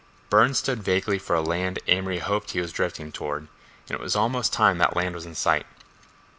Burne stood vaguely for a land Amory hoped he was drifting toward—and it was almost time that land was in sight.